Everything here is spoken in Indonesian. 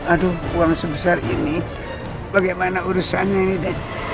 aduh uang sebesar ini bagaimana urusannya ini deh